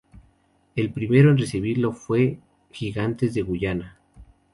El primero en recibirlo fue Gigantes de Guayana.